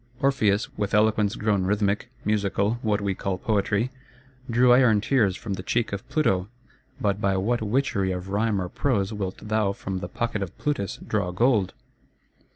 Orpheus, with eloquence grown rhythmic, musical (what we call Poetry), drew iron tears from the cheek of Pluto: but by what witchery of rhyme or prose wilt thou from the pocket of Plutus draw gold?